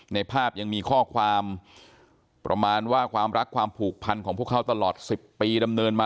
ในภาพยังมีข้อความประมาณว่าความรักความผูกพันของพวกเขาตลอด๑๐ปีดำเนินมา